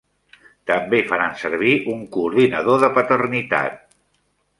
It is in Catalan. També faran servir un coordinador de paternitat.